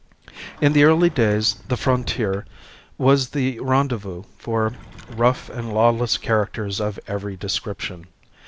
In the early days the frontier was the rendezvous for rough and lawless characters of every description.